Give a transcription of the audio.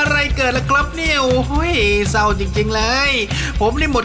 ตักได้เท่าไหร่